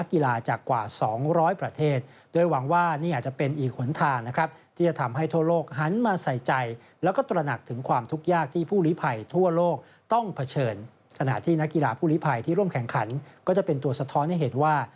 ก็จะเป็นตัวสะท้อนให้เห็นว่า